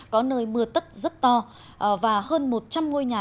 có nơi mưa tất rất to và hơn một trăm linh ngôi nhà